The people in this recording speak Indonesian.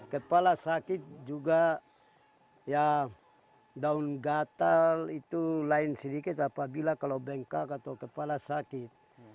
kepala sakit juga ya daun gatal itu lain sedikit apabila kalau bengkak atau kepala sakit